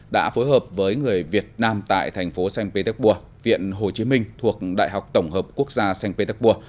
đã phối hợp với người việt nam tại thành phố sanh pê téc bùa viện hồ chí minh thuộc đại học tổng hợp quốc gia sanh pê téc bùa